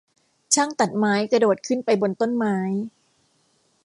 ช่างตัดไม้กระโดดขึ้นไปบนต้นไม้